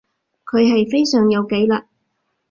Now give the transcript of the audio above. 佢係非常有紀律